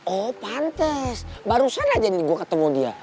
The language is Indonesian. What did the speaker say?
oh pantes barusan aja nih gue ketemu dia